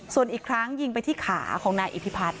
ส่วนอีกครั้งยิงไปที่ขาของนายอิทธิพัฒน